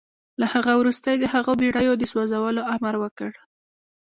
له هغه وروسته يې د هغو بېړيو د سوځولو امر وکړ.